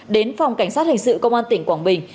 đến phòng cảnh sát hình sự công an tỉnh quảng bình